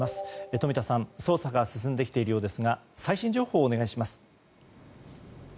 冨田さん、捜査が進んできているようですが最新情報をお願いします。